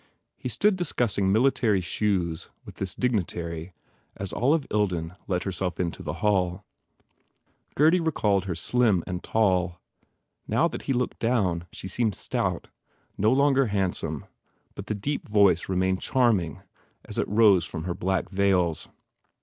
He stood discussing military shoes with this dig nitary as Olive Ilden let herself into the hall. Gurdy recalled her slim and tall. Now that he looked down, she seemed stout, no longer hand some but the deep voice remained charming as it rose from her black veils.